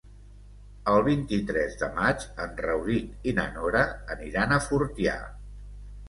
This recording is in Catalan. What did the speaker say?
El vint-i-tres de maig en Rauric i na Nora aniran a Fortià.